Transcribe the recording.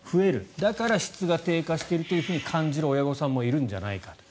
だから質が低下していると感じる親御さんもいるんじゃないかと。